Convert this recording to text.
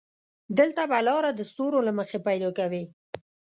دلته به لاره د ستورو له مخې پيدا کوې.